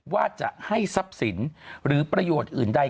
ว่าจะให้ทรัพย์สินหรือประโยชน์อื่นใด